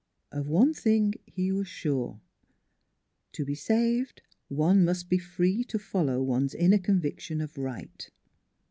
Of one thing he was sure : to be " saved " one must be free to follow one's inner conviction of right.